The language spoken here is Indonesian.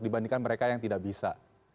dibandingkan mereka yang tidak bisa